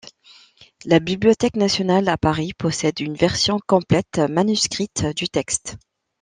La Bibliothèque nationale à Paris possède une version complète manuscrite du texte.